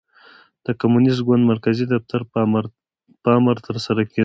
د کمونېست ګوند مرکزي دفتر په امر ترسره کېده.